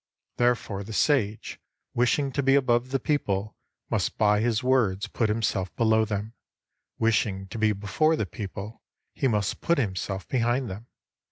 Therefore the Sage, wishing to be above the people, must by his words put himself below them ; wishing to be before the people, he must put him self behind them.